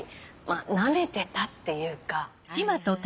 ナメてたっていうか。